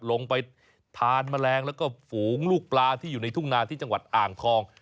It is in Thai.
ลงไปทานแมลงแล้วก็ฝูงลูกปลาที่อยู่ในทุ่งนาที่จังหวัดอ่างทอง